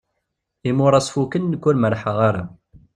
Imuras fukken nekk ur merḥeɣ ara.